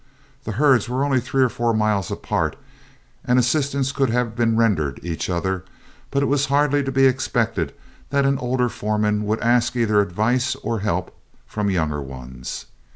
The herds were only three or four miles apart, and assistance could have been rendered each other, but it was hardly to be expected that an older foreman would ask either advice or help from younger ones.